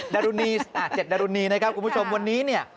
๗ดารุณีนะครับคุณผู้ชมวันนี้เนี่ย